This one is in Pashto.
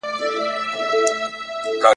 ما مي له پښتو سره پېیلې د نصیب ژبه `